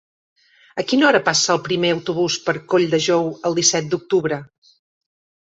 A quina hora passa el primer autobús per Colldejou el disset d'octubre?